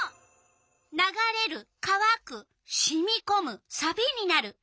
「ながれる」「かわく」「しみこむ」「さびになる」。